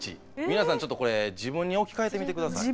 皆さんちょっとこれ自分に置き換えてみて下さい。